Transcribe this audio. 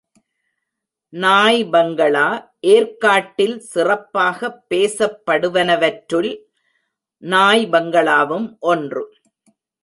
நாய் பங்களா ஏர்க் காட்டில் சிறப்பாகப் பேசப் படுவனவற்லுள் நாய் பங்களாவும் ஒன்று.